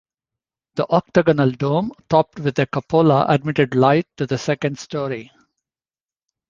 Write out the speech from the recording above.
The octagonal dome topped with a cupola admitted light to the second story.